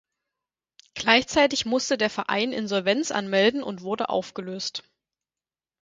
Gleichzeitig musste der Verein Insolvenz anmelden und wurde aufgelöst.